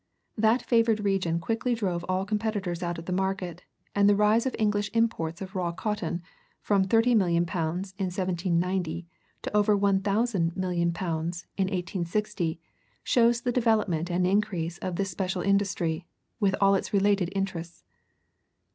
That favored region quickly drove all competitors out of the market; and the rise of English imports of raw cotton, from thirty million pounds, in 1790 to over one thousand million pounds in 1860, shows the development and increase of this special industry, with all its related interests.